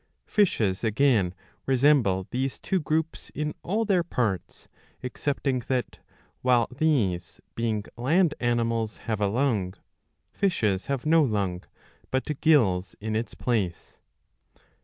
Fishes again resemble these two groups in all their parts, excepting that, while these, being land animals, have a lung, fishes have no lung, but gills in its place.